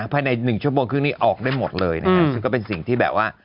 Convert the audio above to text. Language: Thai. ภายในสายหนึ่งชั่วโมงครึ่งนี้ออกได้หมดเลยนะค่ะ